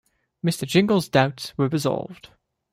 Mr. Jingle’s doubts were resolved.